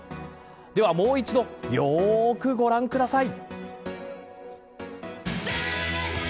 ではもう一度よーくご覧ください。